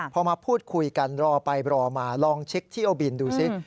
พอมาพูดคุยกันรอไปรอมาลองเช็คเที่ยวบินดูสิ